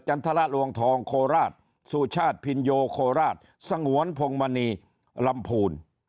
ทรลวงทองโคราชสุชาติพินโยโคราชสงวนพงมณีลำพูน